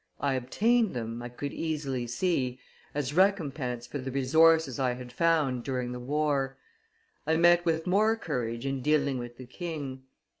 I obtained them, I could easily see, as recompense for the resources I had found during the war. I met with more courage in dealing with the king.